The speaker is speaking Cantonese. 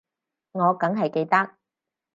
我梗係記得